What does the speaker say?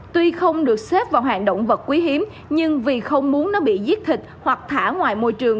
tuy không được xếp vào hàng động vật quý hiếm nhưng vì không muốn nó bị giết thịt hoặc thả ngoài môi trường